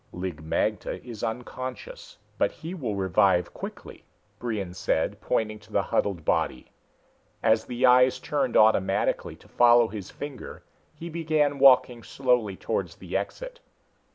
"Lig magte is unconscious, but he will revive quickly," Brion said, pointing at the huddled body. As the eyes turned automatically to follow his finger, he began walking slowly towards the exit.